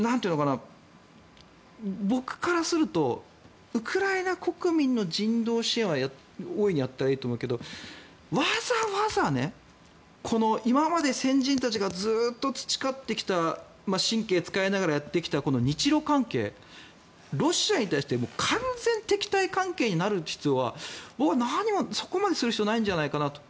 僕からするとウクライナ国民の人道支援は大いにやったらいいと思うけどわざわざね、今まで先人たちがずっと培ってきた神経を使いながらやってきた日ロ関係、ロシアに対して完全敵対関係になる必要が僕は何もそこまでする必要はないんじゃないかなと。